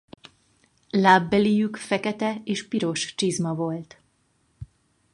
Lábbelijük fekete és piros csizma volt.